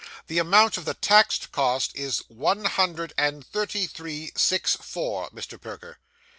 'The amount of the taxed costs is one hundred and thirty three, six, four, Mr. Perker.